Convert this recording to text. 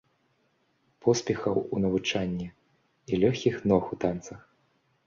Поспехаў у навучанні і лёгкіх ног у танцах!